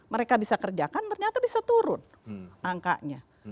mereka bisa kerjakan ternyata bisa turun angkanya